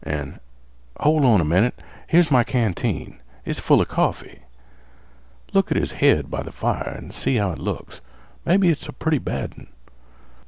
An'—hol' on a minnit—here's my canteen. It's full 'a coffee. Look at his head by th' fire an' see how it looks. Maybe it's a pretty bad un.